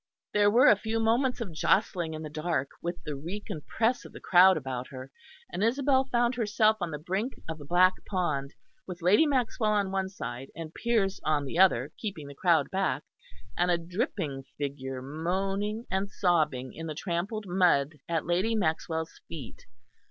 There were a few moments of jostling in the dark, with the reek and press of the crowd about her; and Isabel found herself on the brink of the black pond, with Lady Maxwell on one side, and Piers on the other keeping the crowd back, and a dripping figure moaning and sobbing in the trampled mud at Lady Maxwell's feet.